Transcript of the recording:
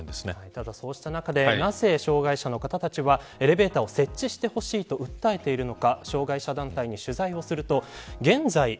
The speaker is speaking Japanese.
ただ、そうした中でなぜ障害者の方たちはエレベーターを設置してほしいと訴えているのか。